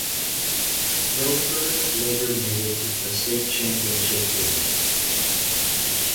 Milford later made it to the state championship game.